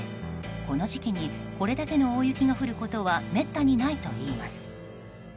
この時期にこれだけの大雪が降ることはめったにないといいます。